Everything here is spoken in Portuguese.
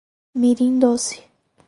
Mirim Doce